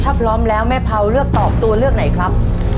ถ้าพร้อมแล้วแม่เผาเลือกตอบตัวเลือกไหนครับ